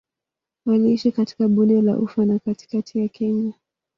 Waliishi katika Bonde la Ufa na katikati ya Kenya.